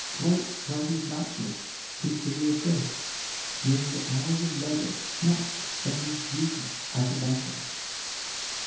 Grote wrote his matchless "History of Greece" during the hours of leisure snatched from his duties as a banker.